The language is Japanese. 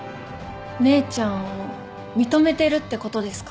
姉ちゃんを認めてるってことですか。